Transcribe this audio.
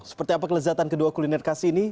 seperti apa kelezatan kedua kuliner khas ini